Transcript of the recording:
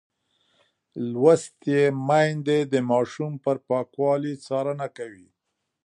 لوستې میندې د ماشوم پر پاکوالي څارنه کوي.